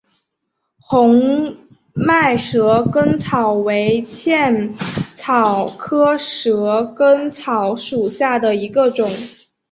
红脉蛇根草为茜草科蛇根草属下的一个种。